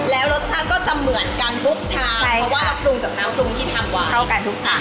แล้วรสชาติก็จะเหมือนกันทุกชามเพราะว่าเราปรุงจากน้ำปรุงที่ทำไว้เข้ากันทุกชาม